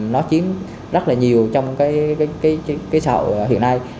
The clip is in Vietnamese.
nó chiếm rất là nhiều trong cái xã hội hiện nay